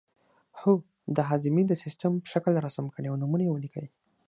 هو د هاضمې د سیستم شکل رسم کړئ او نومونه یې ولیکئ